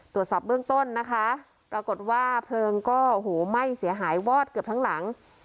ตรวจสอบเบื้องต้นนะคะปรากฏว่าเพลิงก็โหไหม้เสียหายวอดเกือบทั้งหลัง